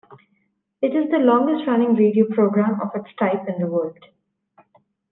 It is the longest-running radio program of its type in the world.